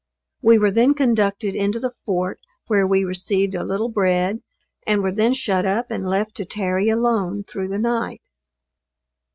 We were then conducted into the fort, where we received a little bread, and were then shut up and left to tarry alone through the night.